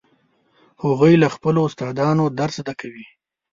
هغوی له خپلو استادانو درس زده کوي